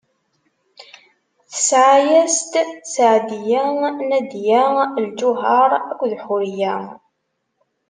Tesɛa-as-d: Seɛdiya, Nadiya, Lǧuheṛ akked Ḥuriya.